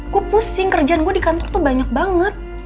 aku pusing kerjaan gue di kantor tuh banyak banget